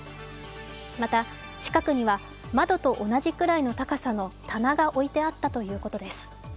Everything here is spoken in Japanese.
また、近くには窓と同じくらいの高さの棚が置いてあったということです。